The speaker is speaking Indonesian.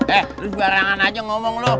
eh terus barangan aja ngomong lo